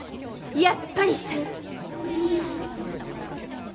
やっぱり３。